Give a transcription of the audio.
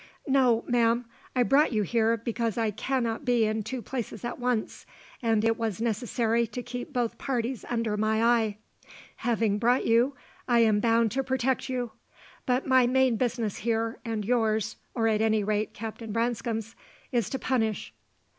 "No, ma'am. I brought you here because I cannot be in two places at once, and it was necessary to keep both parties under my eye. Having brought you, I am bound to protect you; but my main business here, and yours or at any rate Captain Branscome's is to punish."